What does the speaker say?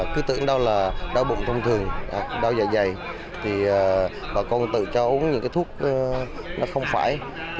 cứ tưởng đau là đau bụng thông thường đau dày dày bà con tự cho uống những thuốc không phải